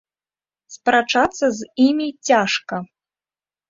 Спрачацца з імі цяжка.